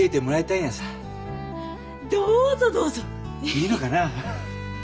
いいのかな？